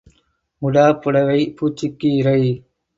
உடாப் புடைவை பூச்சிக்கு இரை.